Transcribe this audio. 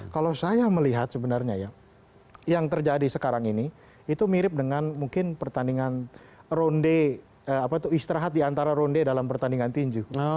kalau saya melihat sebenarnya ya yang terjadi sekarang ini itu mirip dengan mungkin pertandingan ronde istirahat di antara ronde dalam pertandingan tinju